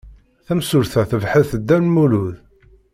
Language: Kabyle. Tamsulta tebḥet Dda Lmulud.